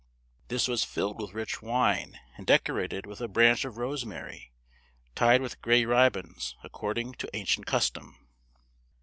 This was filled with rich wine, and decorated with a branch of rosemary, tied with gay ribands, according to ancient custom.